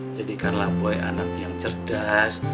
jadikanlah play anak yang cerdas